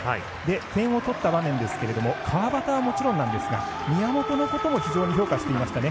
点を取った場面ですけど川端のこともですけど宮本のことも非常に評価していました。